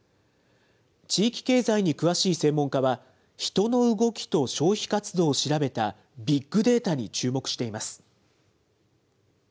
地域経済に詳しい専門家は、人の動きと消費活動を調べたビッグデータに注目しています。